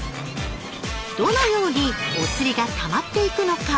どのようにおつりがたまっていくのか？